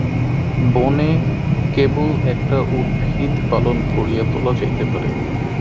বনে কেবল একটা উদ্ভিদ পালন করিয়া তোলা যাইতে পারে।